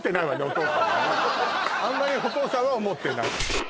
あんまりおとうさんは思ってない